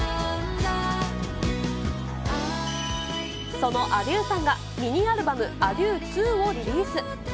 そのａｄｉｅｕさんがミニアルバムａｄｉｅｕ２をリリース。